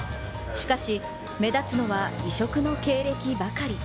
しかし、目立つのは異色の経歴ばかり。